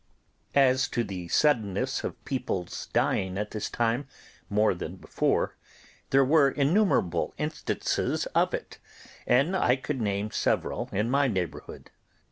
As to the suddenness of people's dying at this time, more than before, there were innumerable instances of it, and I could name several in my neighbourhood.